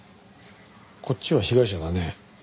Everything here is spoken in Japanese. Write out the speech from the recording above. こっちは被害者だね。